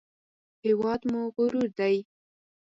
هېواد مو غرور دی